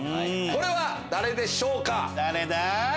これは誰でしょうか？